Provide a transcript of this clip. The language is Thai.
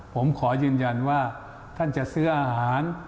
ผมขอยืนยันว่าท่านจะซื้ออาหาร